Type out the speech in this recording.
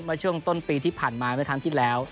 มาช่วงต้นปีที่ผ่านมานี้ท้ายที่แล้ว